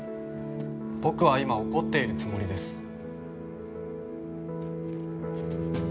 僕は今怒っているつもりです。